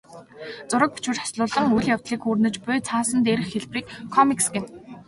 Зураг, бичвэр хослуулан үйл явдлыг хүүрнэж буй цаасан дээрх хэлбэрийг комикс гэнэ.